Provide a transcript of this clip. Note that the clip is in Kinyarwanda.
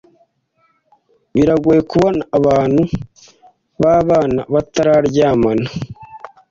biragoye kubona abantu babana batararyamana.